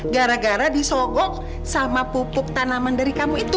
gara gara disogok sama pupuk tanaman dari kamu itu